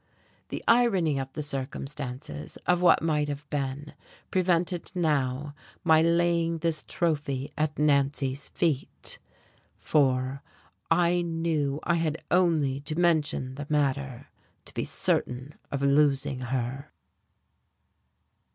The irony of circumstances of what might have been prevented now my laying this trophy at Nancy's feet, for I knew I had only to mention the matter to be certain of losing her.